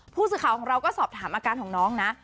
ผู้สื่อข่าวของเราก็สอบถามอาการของน้องนะ